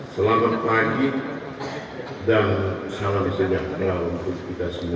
selamat pagi dan salam sejahtera untuk kita semua